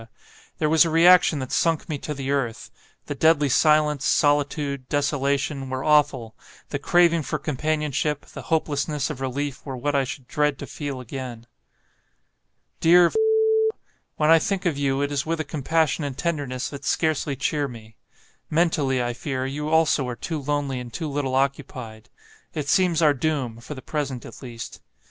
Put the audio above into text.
There was a reaction that sunk me to the earth; the deadly silence, solitude, desolation, were awful; the craving for companionship, the hopelessness of relief, were what I should dread to feel again. "Dear , when I think of you, it is with a compassion and tenderness that scarcely cheer me. Mentally, I fear, you also are too lonely and too little occupied. It seems our doom, for the present at least.